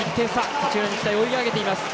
土浦日大、追い上げています。